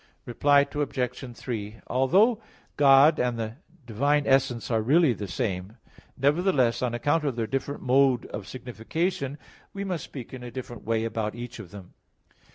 Reply Obj. 3: Although God and the divine essence are really the same, nevertheless, on account of their different mode of signification, we must speak in a different way about each of them.